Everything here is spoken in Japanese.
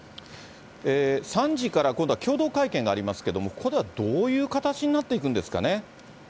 ３時から今度共同会見がありますけれども、これはどういう形になっていくんですかね。